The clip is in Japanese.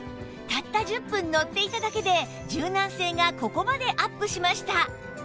たった１０分乗っていただけで柔軟性がここまでアップしました